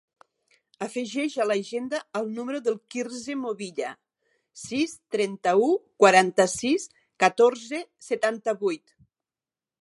Afegeix a l'agenda el número del Quirze Movilla: sis, trenta-u, quaranta-sis, catorze, setanta-vuit.